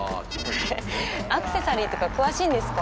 アクセサリーとか詳しいんですか？